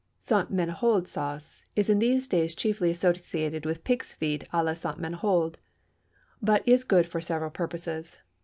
Ste. Ménehould Sauce is in these days chiefly associated with "pigs' feet à la Ste. Ménehould," but is good for several purposes.